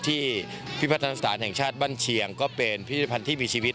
ที่พิพัฒนาสถานแห่งชาติบ้านเชียงก็เป็นพิพิธภัณฑ์ที่มีชีวิต